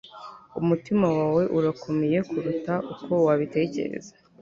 umutima wawe urakomeye kuruta uko wabitekereza